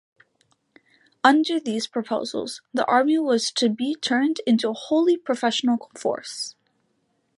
Under these proposals, the army was to be turned into a wholly professional force.